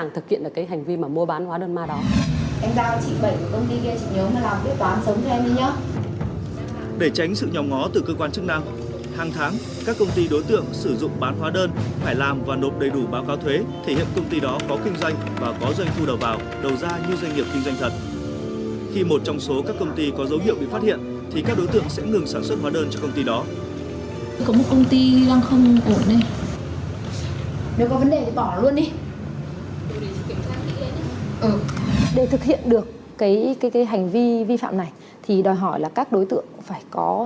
thì bỏ luôn đi để thực hiện được cái cái hành vi vi phạm này thì đòi hỏi là các đối tượng phải có